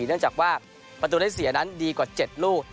เนื่องจากว่าประตูได้เสียนั้นดีกว่า๗ลูก